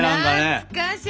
懐かしい。